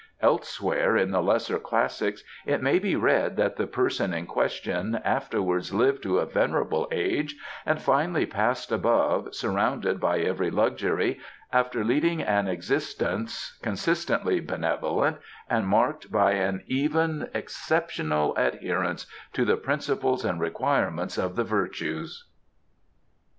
Elsewhere, in the lesser Classics, it may be read that the person in question afterwards lived to a venerable age and finally Passed Above surrounded by every luxury, after leading an existence consistently benevolent and marked by an even exceptional adherence to the principles and requirements of The Virtues.